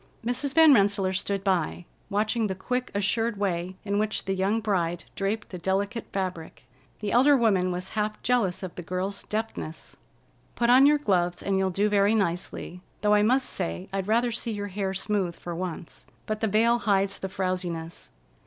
Mrs. Van Rensselaer stood by, watching the quick, assured way in which the young bride draped the delicate fabric. The elder woman was half jealous of the girl's deftness. "Put on your gloves, and you'll do very nicely, though I must say I'd rather see your hair smooth for once. But the veil hides the frowsiness.